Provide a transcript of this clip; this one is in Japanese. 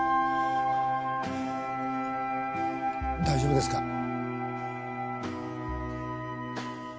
大丈夫ですか？